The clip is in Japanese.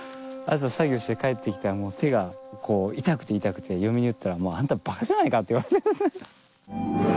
朝作業して帰ってきたら手が痛くて痛くて嫁に言ったら「あんたバカじゃないか」って言われてですね。